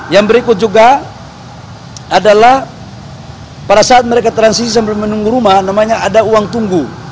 yang berikut juga adalah pada saat mereka transisi sebelum menunggu rumah namanya ada uang tunggu